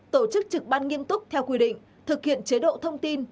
tổ chức trực ban nghiêm túc theo quy định thực hiện chế độ thông tin